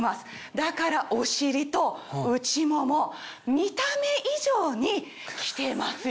だからお尻と内もも見た目以上に来てますよね？